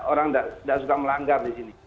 orang tidak suka melanggar di sini